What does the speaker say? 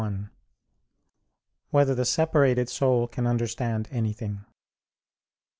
1] Whether the Separated Soul Can Understand Anything?